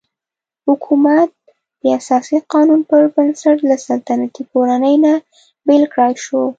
حکومت د اساسي قانون پر بنسټ له سلطنتي کورنۍ نه بېل کړای شو.